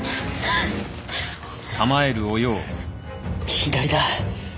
左だ！